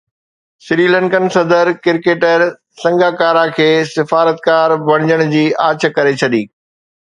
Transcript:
Sri Lankan صدر cricketer Sangakkara کي سفارتڪار بڻجڻ جي آڇ ڪري ڇڏي